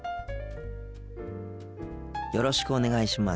よろしくお願いします。